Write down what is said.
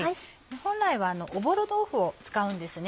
本来はおぼろ豆腐を使うんです。